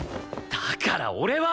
だから俺は！